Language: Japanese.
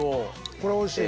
これはおいしい。